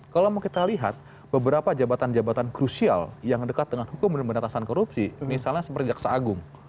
kalau mau kita lihat beberapa jabatan jabatan krusial yang dekat dengan hukum dan beratasan korupsi misalnya seperti jaksa agung